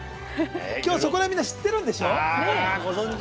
きょう、そこら辺みんな、知ってるんでしょ。